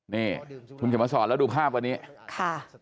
นี่ถุงเฉพาะศาลแล้วดูภาพของนี้ค่ะ